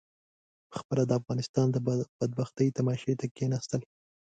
پخپله د افغانستان د بدبختۍ تماشې ته کېنستل.